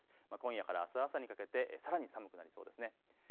今夜からあす朝にかけてさらに寒くなりそうです。